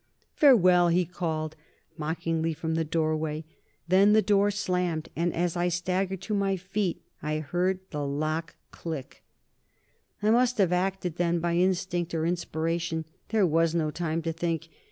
"Farewell!" he called mockingly from the doorway. Then the door slammed, and as I staggered to my feet, I heard the lock click. I must have acted then by instinct or inspiration. There was no time to think.